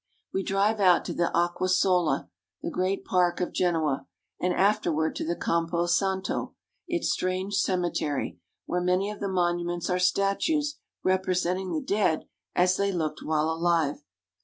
We drive out to the Aqua Sola, the great park of Genoa, and afterward to the Campo Santo, its strange ceme tery, where many of the monuments are statues represent ing the dead as they looked while alive.